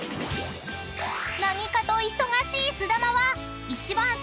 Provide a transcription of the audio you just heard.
［何かと忙しいすだまは一番